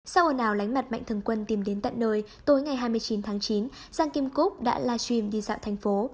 sau ổn ào lánh mặt mạnh thường quân tìm đến tận nơi tối ngày hai mươi chín tháng chín giang kim cúc đã live stream đi dạo thành phố